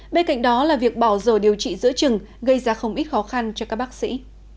bên cạnh đó là việc bỏ dồ điều trị giữa trừng gây ra không ít khó khăn cho các bác sĩ